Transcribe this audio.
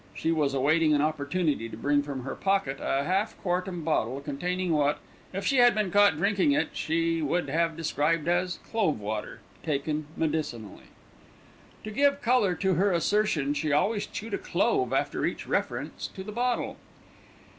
She was awaiting an opportunity to bring from her pocket a half quartern bottle containing what, if she had been caught drinking it, she would have described as clove water, taken medicinally. To give colour to her assertion, she always chewed a clove after each reference to the bottle.